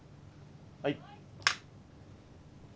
はい。